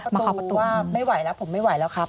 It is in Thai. ขอประตูว่าไม่ไหวแล้วผมไม่ไหวแล้วครับ